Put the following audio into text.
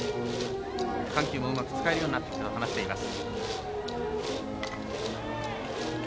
緩急もうまく使えるようになってきたと話しています。